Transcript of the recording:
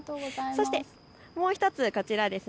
そしてもう１つ、こちらです。